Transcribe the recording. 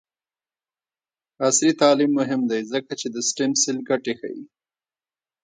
عصري تعلیم مهم دی ځکه چې د سټیم سیل ګټې ښيي.